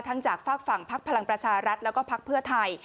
ทั้งจากฝากฝั่งภักดิ์พลังประชารัฐแล้วก็ภักดิ์เพื่อไทย